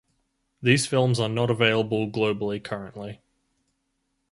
These films are not available globally currently.